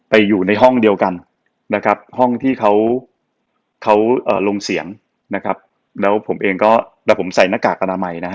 อยู่ในห้องเดียวกันนะครับห้องที่เขาเขาลงเสียงนะครับแล้วผมเองก็แล้วผมใส่หน้ากากอนามัยนะฮะ